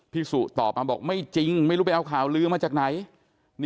สุตอบมาบอกไม่จริงไม่รู้ไปเอาข่าวลือมาจากไหน